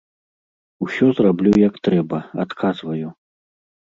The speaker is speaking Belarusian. Усё зраблю як трэба, адказваю.